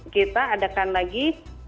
kita adakan lagi